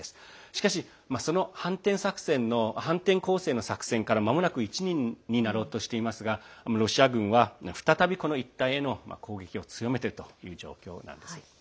しかし、その反転攻勢の作戦からまもなく１年になろうとしていますがロシア軍は再びこの一帯への攻撃を強めているという状況なんです。